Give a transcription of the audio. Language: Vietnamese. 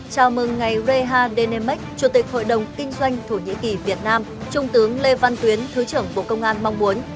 chào mừng ngày reha denemek chủ tịch hội đồng kinh doanh thổ nhĩ kỳ việt nam trung tướng lê văn tuyến thứ trưởng bộ công an mong muốn